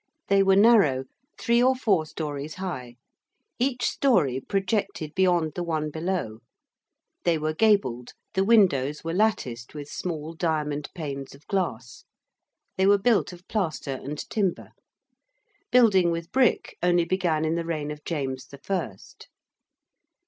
They were narrow: three or four stories high: each story projected beyond the one below: they were gabled: the windows were latticed, with small diamond panes of glass: they were built of plaster and timber. Building with brick only began in the reign of James the First.